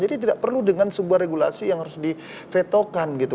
jadi tidak perlu dengan sebuah regulasi yang harus di fetokan gitu